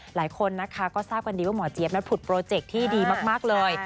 หลายคนก็ทราบกันดีว่าหมอเจี๊ยบผุดโปรเจกต์ที่ดีมากเลย